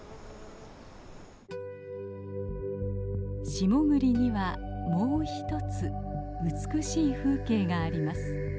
下栗にはもう一つ美しい風景があります。